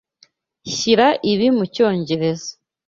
Shyira ibi mucyongereza.